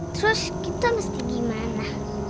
terus kita mesti gimana